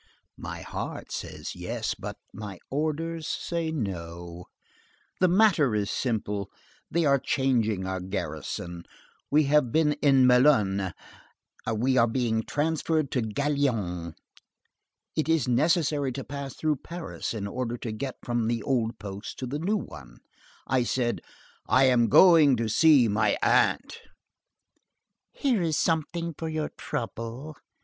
"My heart says 'yes,' but my orders say 'no.' The matter is simple. They are changing our garrison; we have been at Melun, we are being transferred to Gaillon. It is necessary to pass through Paris in order to get from the old post to the new one. I said: 'I am going to see my aunt.'" "Here is something for your trouble."